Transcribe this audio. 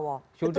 betul sudah ya